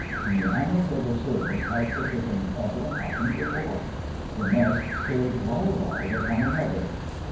In the annals of the Service had such a thing ever happened before? The Mess stared wild eyed at one another.